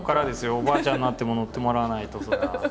おばあちゃんになっても載ってもらわないとそりゃあ。